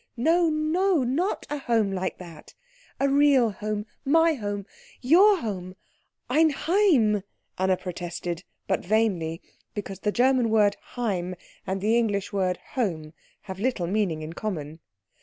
"No, not a home like that a real home, my home, your home ein Heim," Anna protested; but vainly, because the German word Heim and the English word "home" have little meaning in common.